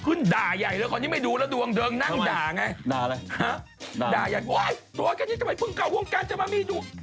โอ๊ยตัวแค่นี้ทำไมเพิ่งเก่าวงการจะมามีดวง